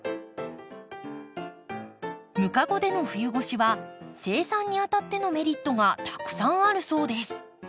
ムカゴでの冬越しは生産にあたってのメリットがたくさんあるそうです。